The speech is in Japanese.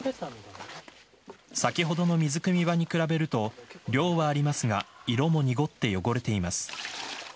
先ほどの水くみ場に比べると量はありますが色も濁って汚れています。